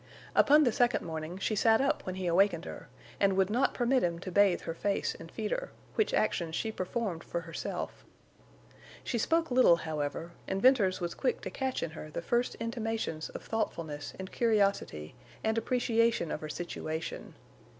Upon the second morning she sat up when he awakened her, and would not permit him to bathe her face and feed her, which actions she performed for herself. She spoke little, however, and Venters was quick to catch in her the first intimations of thoughtfulness and curiosity and appreciation of her situation.